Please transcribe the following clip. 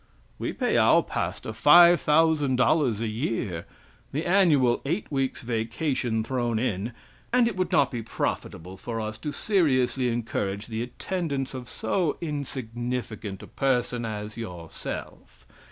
We pay our pastor $5,000 a year the annual eight weeks vacation thrown in and it would not be profitable for us to seriously encourage the attendance of so insignificant a person as yourself.